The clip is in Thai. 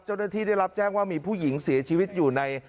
เจ้าหน้าที่ได้รับแจ้งว่ามีผู้หญิงเสียชีวิตอยู่ใน